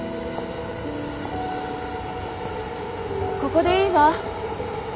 ここでいいわ。